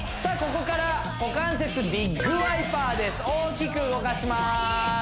ここから股関節ビッグワイパーです大きく動かします